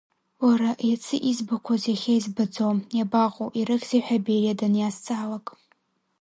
Уара иацы избақәоз иахьа избаӡом, иабаҟоу, ирыхьзеи ҳәа Бериа даниазҵаалак…